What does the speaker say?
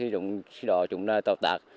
thì chúng ta tạo tạc